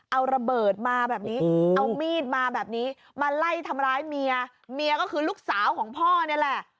เอาระเบิดมาแบบนี้เอามีดมาแบบนี้มาไล่ทำร้ายเมียเมียก็คือลูกสาวของพ่อนี่แหละ